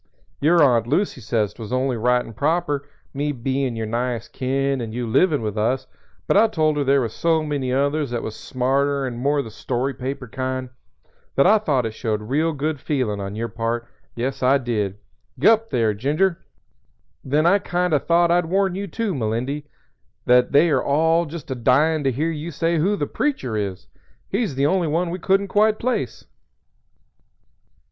Your Aunt Lucy says 'twas only right and proper, me bein' your nighest kin and you livin' with us; but I told her there was so many others that was smarter and more the story paper kind, that I thought it showed real good feelin' on your part; yes, I did. G'up, there, Ginger! Then I kind o' thought I'd warn you, too, Melindy, that they all are just a dyin' to hear you say who 'The Preacher' is. He's the only one we couldn't quite place."